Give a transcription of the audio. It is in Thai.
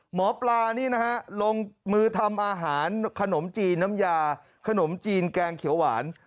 หมอปลานี่นะฮะลงมือทำอาหารขนมจีนน้ำยาขนมจีนแกงเขียวหวาน